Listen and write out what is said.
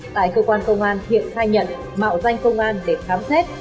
tại cơ quan công an thiện khai nhận mạo danh công an để khám xét